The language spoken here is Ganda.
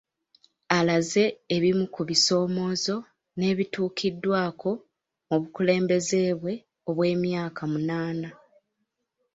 Alaze ebimu ku bisoomoozo n'ebituukiddwako mu bukulembeze bwe obw'emyaka munaana